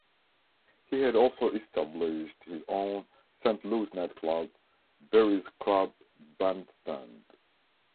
He had also established his own Saint Louis nightclub, Berry's Club Bandstand.